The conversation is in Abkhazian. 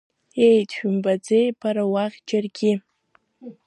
Ееи, дшәымбаӡеи бара уахь џьаргьы?